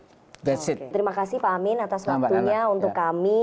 oke terima kasih pak amin atas waktunya untuk kami